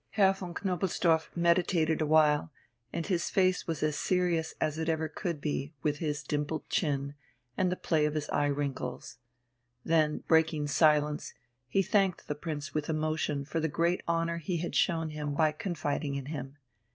Herr von Knobelsdorff meditated awhile, and his face was as serious as it ever could be with his dimpled chin and the play of his eye wrinkles. Then, breaking silence, he thanked the Prince with emotion for the great honour he had shown him by confiding in him.